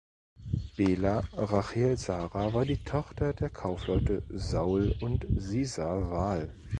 Bela Rachel Sara war die Tochter der Kaufleute Saul und Sisa Wahl.